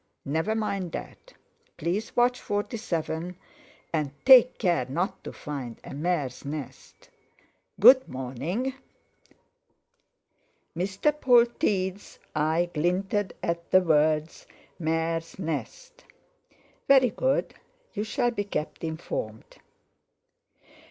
"Never mind that. Please watch 47, and take care not to find a mare's nest. Good morning!" Mr. Polteed's eye glinted at the words "mare's nest!" "Very good. You shall be kept informed."